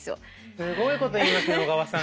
すごいこと言いますね小川さん。